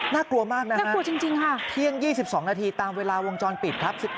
น่ากลัวมากนะฮะที่ยัง๒๒นาทีตามเวลาวงจรปิดครับ